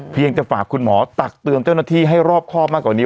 เพียงจะฝากคุณหมอตักเตือนเจ้าหน้าที่ให้รอบครอบมากกว่านี้